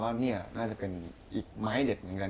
นั่นก็จะเป็นอีกไม้เด็ดหนึ่งกัน